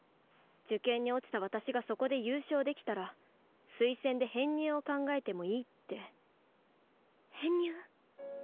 受験に落ちた私がそこで優勝できたら推薦で編入を考えてもいいって。編入。